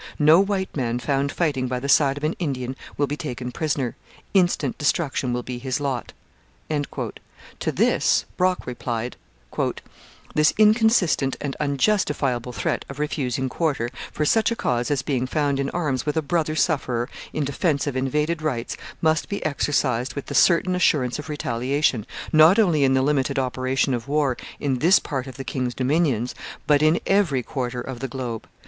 No white man found fighting by the side of an Indian will be taken prisoner; instant destruction will be his lot. To this Brock replied: This inconsistent and unjustifiable threat of refusing quarter, for such a cause as being found in arms with a brother sufferer in defence of invaded rights, must be exercised with the certain assurance of retaliation, not only in the limited operation of war in this part of the King's Dominions, but in every quarter of the globe.